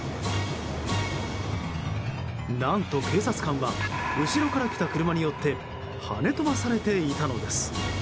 何と、警察官は後ろから来た車によってはね飛ばされていたのです。